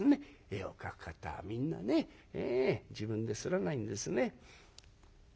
絵を描く方はみんなね自分ですらないんですね。